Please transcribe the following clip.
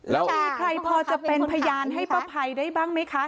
แล้วมีใครพอจะเป็นพยานให้ป้าภัยได้บ้างไหมคะ